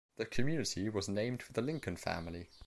The community was named for the Lincoln family.